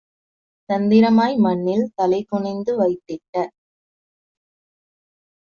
தந்திரமாய் மண்ணில் தலைகுனிந்து வைத்திட்ட